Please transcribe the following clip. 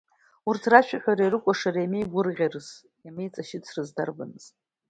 Урҭ рышәаҳәареи рыкәашареи иамеигәырӷьарыз, иамеиҵашьыцрыз дарбаныз!